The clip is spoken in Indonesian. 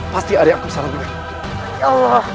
pasti arya aku salah juga